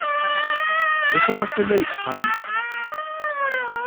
D acu akka ay la d-qqaren?!